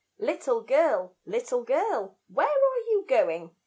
Little girl, little girl, where are you going?